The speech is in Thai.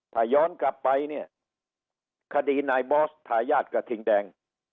ถ้าย้อนกลับไปเนี่ยคดีนายบอสทายาทกระทิงแดง